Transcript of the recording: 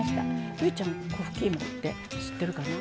望結ちゃんは粉ふきいもって知ってるかな。